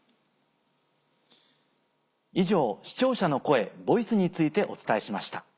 以上「視聴者の声ＶＯＩＣＥ」についてお伝えしました。